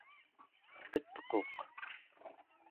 etquq